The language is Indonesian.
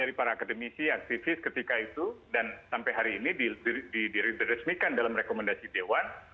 jadi para akademisi aktivis ketika itu dan sampai hari ini diresmikan dalam rekomendasi dewan